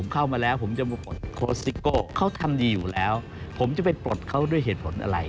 เขาทำดีอยู่แล้วผมจะไปปลดเขาด้วยเหตุผลอะไร